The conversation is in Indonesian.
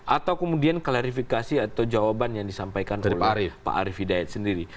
atau kemudian klarifikasi atau jawaban yang disampaikan oleh pak arief hidayat sendiri